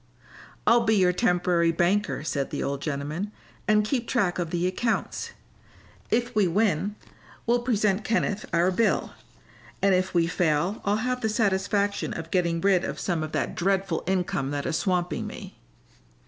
"I'll be your temporary banker," said the old gentleman, "and keep track of the accounts. If we win we'll present Kenneth our bill, and if we fail I'll have the satisfaction of getting rid of some of that dreadful income that is swamping me."